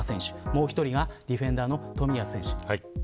もう１人がディフェンダーの冨安選手。